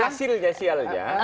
dan hasilnya sialnya